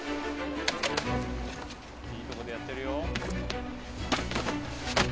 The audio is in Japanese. いいとこでやってるよ。